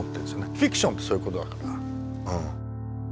フィクションってそういうことだから。